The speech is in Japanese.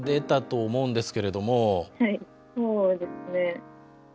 ☎はいそうですね。